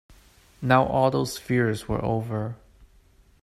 Now all those fears were over.